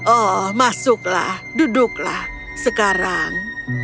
oh masuklah duduklah sekarang